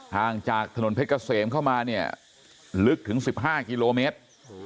ห่างจากถนนเพชรเกษมเข้ามาเนี่ยลึกถึง๑๕กิโลเมตร